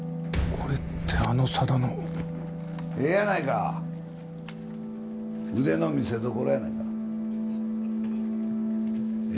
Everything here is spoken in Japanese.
これってあの佐田のええやないか腕の見せどころやないかええ